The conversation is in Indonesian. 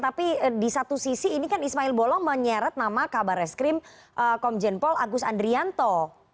tapi di satu sisi ini kan ismail bolong menyeret nama kabar reskrim komjen paul agus andrianto